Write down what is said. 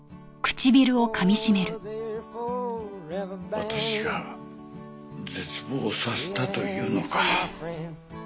私が絶望させたというのか。